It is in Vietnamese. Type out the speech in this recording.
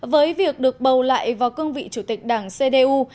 với việc được bầu lại vào cương vị chủ tịch đảng cdu